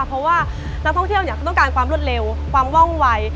เพราะว่านักท่องเที่ยวเขาต้องการความรวดเร็วความว่องวัย